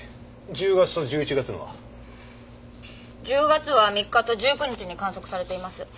１０月は３日と１９日に観測されています。